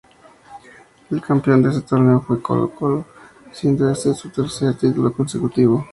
El campeón de este torneo fue Colo-Colo siendo este su tercer título consecutivo.